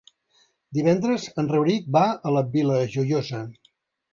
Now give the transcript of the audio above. Divendres en Rauric va a la Vila Joiosa.